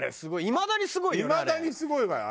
いまだにすごいわよ